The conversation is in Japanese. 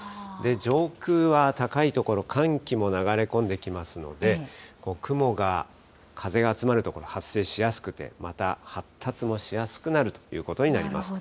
上空は高い所、寒気も流れ込んできますので、雲が、風が集まると発生しやすくて、また発達もしやすくなるということになります。